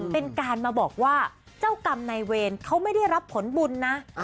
เป็นการมาบอกว่าเจ้ากรรมนายเวรเขาไม่ได้รับผลบุญนะ